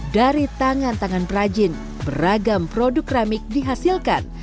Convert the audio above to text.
dari tangan tangan perajin beragam produk keramik dihasilkan